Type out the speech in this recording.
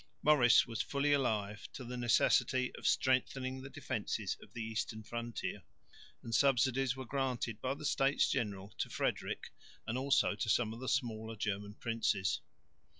Maurice was fully alive to the necessity of strengthening the defences of the eastern frontier; and subsidies were granted by the States General to Frederick and also to some of the smaller German princes.